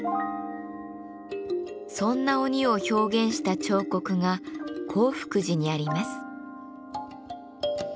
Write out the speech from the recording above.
そんな鬼を表現した彫刻が興福寺にあります。